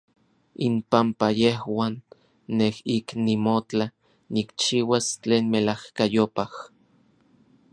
Inpampa yejuan nej ik nimotla nikchiuas tlen melajkayopaj.